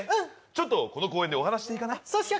ちょっとこの公園でお話ししていかない？